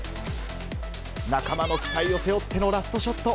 仲間の期待を背負ってのラストショット。